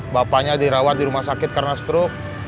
bapaknya dirawat di rumah sakit karena stroke